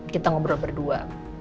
kita ngobrol berdua